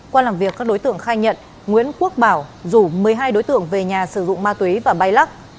qua làm việc các đối tượng khai nhận nguyễn quốc bảo rủ một mươi hai đối tượng về nhà sử dụng ma túy và bay lắc